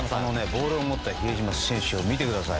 ボールを持った比江島選手を見てください。